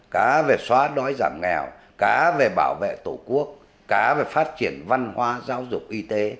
cá về xóa đói giảm nghèo cá về bảo vệ tổ quốc cá về phát triển văn hóa giáo dục y tế